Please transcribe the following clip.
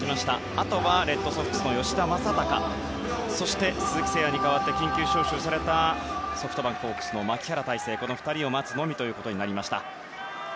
あとは、レッドソックス吉田正尚そして鈴木誠也に代わって緊急招集されたソフトバンクホークスの牧原大成の２人を待つのみということになりました。